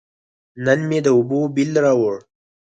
نن مې د اوبو بیل راووړ.